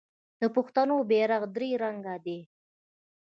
د پښتنو بیرغ درې رنګه دی.